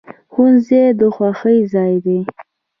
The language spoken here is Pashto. ښوونځی د خوښۍ ځای دی